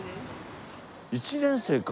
１年生か。